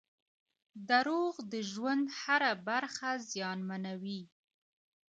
• دروغ د ژوند هره برخه زیانمنوي.